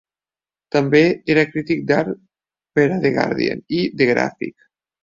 També era crític d'art per a "The Guardian" i "The Graphic".